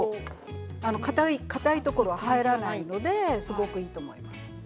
かたいところは入らないのですごくいいと思います。